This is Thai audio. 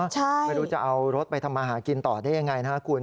ไม่รู้จะเอารถไปทำมาหากินต่อได้ยังไงนะครับคุณ